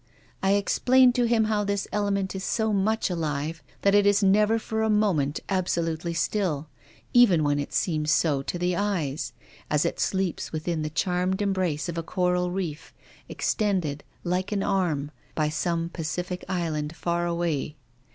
I explained to THE RAINBOW. 33 him how this element is so much alive that it is never for a moment absolutely still, even when it seems so to the eyes, as it sleeps within the charmed embrace of a coral reef, extended, like an arm, by some Pacific island far away.